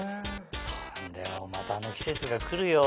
そうなんだよまたあの季節が来るよ。